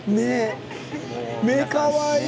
目がかわいい。